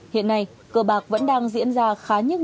hiện nay cơ bạc vẫn đang diễn ra khá nhất